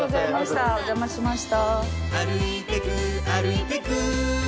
お邪魔しました。